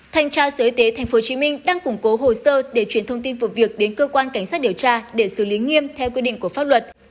thanh tra sở y tế tp hcm đang củng cố hồ sơ để chuyển thông tin vụ việc đến cơ quan cảnh sát điều tra để xử lý nghiêm theo quy định của pháp luật